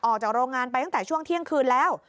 ออกจากโรงงานไปตั้งแต่ช่วงเที่ยงคืนแล้ว